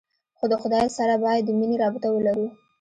خو د خداى سره بايد د مينې رابطه ولرو.